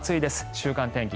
週間天気